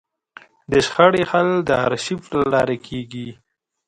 د شخړې حل د ارشیف له لارې کېږي.